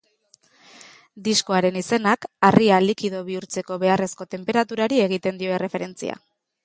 Diskoaren izenak harria likido bihurtzeko beharrezko tenperaturari egiten dio erreferentzia.